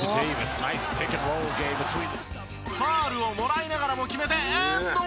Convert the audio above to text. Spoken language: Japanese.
ファウルをもらいながらも決めてアンドワン！